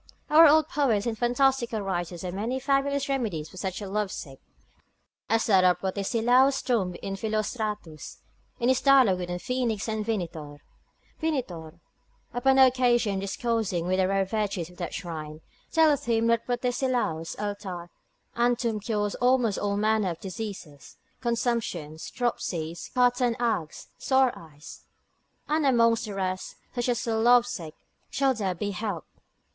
Our old poets and fantastical writers have many fabulous remedies for such as are lovesick, as that of Protesilaus' tomb in Philostratus, in his dialogue between Phoenix and Vinitor: Vinitor, upon occasion discoursing of the rare virtues of that shrine, telleth him that Protesilaus' altar and tomb cures almost all manner of diseases, consumptions, dropsies, quartan agues, sore eyes: and amongst the rest, such as are lovesick shall there be helped.